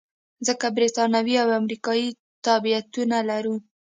ځکه بریتانوي او امریکایي تابعیتونه لرو.